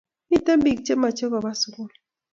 miten pik che mache koba sukul